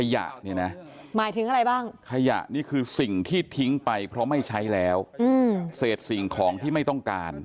ขยะเนี่ยนะขยะนี่คือสิ่งที่ทิ้งไปเพราะไม่ใช่แล้วเสร็จสิ่งของที่ไม่ต้องการ